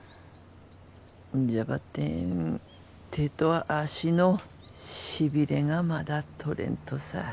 じゃばってん手と足のしびれがまだ取れんとさ。